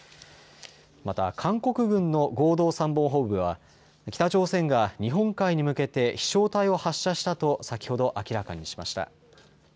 また韓国軍の合同参謀本部は北朝鮮が日本海に向けて飛しょう体を発射したと先ほど明らかにしました。